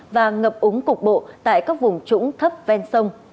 và ngập úng cục bộ tại các vùng trũng thấp ven sông